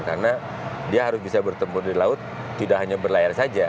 karena dia harus bisa bertempur di laut tidak hanya berlayar saja